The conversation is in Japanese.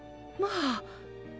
まあ！